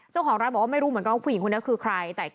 เจ้าของร้านบอกว่าไม่รู้เหมือนกันว่าผู้หญิงคนนี้คือใคร